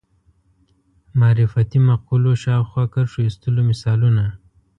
معرفتي مقولو شاوخوا کرښو ایستلو مثالونه